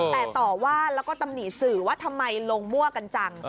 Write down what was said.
แต่ต่อว่าแล้วก็ตำหนิสื่อว่าทำไมลงมั่วกันจัง